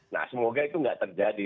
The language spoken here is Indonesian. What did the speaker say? nah semoga itu nggak terjadi